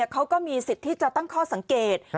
เขาก็มีสิทธิ์ที่จะตั้งข้อสังเกต